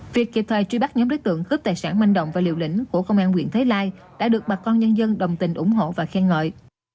việc kịp thời truy bắt nhóm đối tượng cướp tài sản với thủ đoạn hết sức tinh vi manh động và liều lĩnh của công an quyền thái lai đã được bà con nhân dân đồng tình ủng hộ và khen ngợi